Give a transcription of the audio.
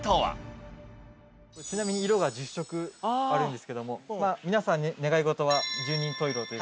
色がちなみに色が１０色あるんですけども皆さん願い事は十人十色で。